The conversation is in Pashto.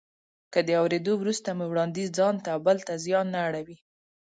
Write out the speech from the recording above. که د اورېدو وروسته مو وړانديز ځانته او بل ته زیان نه اړوي.